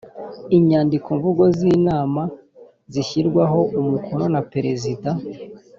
inyandikomvugo z inama zishyirwaho umukono na perezida